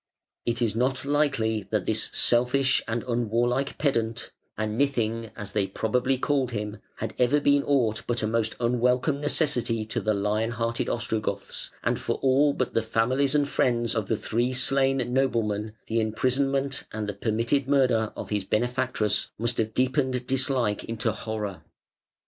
It is not likely that this selfish and unwarlike pedant a "nithing", as they probably called him had ever been aught but a most unwelcome necessity to the lion hearted Ostrogoths, and for all but the families and friends of the three slain noblemen, the imprisonment and the permitted murder of his benefactress must have deepened dislike into horror.